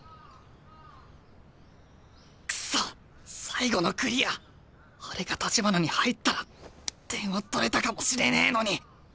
最後のクリアあれが橘に入ったら点を取れたかもしれねえのに。